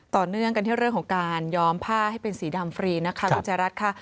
ต่อเนื่องกันที่เรื่องของการย้อมผ้าให้เป็นสีดำฟรีนะคะคุณจารัฐค่ะ